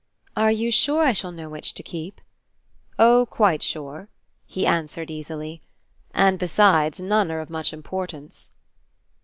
"Are you sure I shall know which to keep?" "Oh, quite sure," he answered, easily "and besides, none are of much importance."